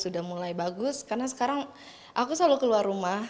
sudah mulai bagus karena sekarang aku selalu keluar rumah